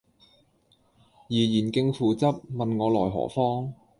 怡然敬父執，問我來何方。